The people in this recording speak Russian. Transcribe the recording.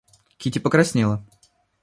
Кити покраснела.